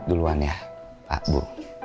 duluan ya pak bu